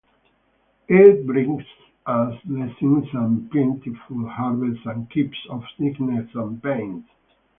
It brings us blessings and plentiful harvests and keeps off sickness and pains.